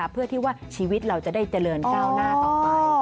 เพื่อที่ว่าชีวิตเราจะได้เจริญก้าวหน้าต่อไป